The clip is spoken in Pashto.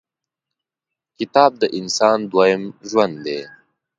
• کتاب، د انسان دویم ژوند دی.